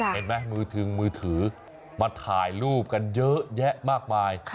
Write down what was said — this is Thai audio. เห็นไหมมือถึงมือถือมาถ่ายรูปกันเยอะแยะมากมาย